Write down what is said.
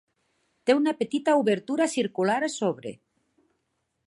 Té una petita obertura circular a sobre.